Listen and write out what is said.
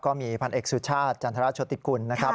ก็มีพันเอกสุชาติจันทราชโชติกุลนะครับ